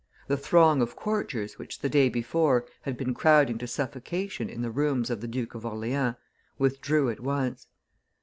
The throng of courtiers, which, the day before, had been crowding to suffocation in the rooms of the Duke of Orleans, withdrew at once.